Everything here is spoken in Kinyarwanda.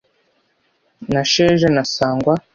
na sheja na sangwa